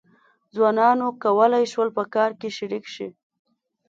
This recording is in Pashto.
ځوانانو کولای شول په کار کې شریک شي.